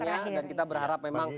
dan kita berharap memang